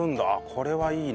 これはいいね。